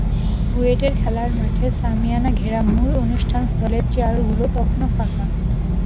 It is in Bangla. বুয়েটের খেলার মাঠের শামিয়ানা ঘেরা মূল অনুষ্ঠানস্থলের চেয়ারগুলো তখন প্রায় ফাঁকা।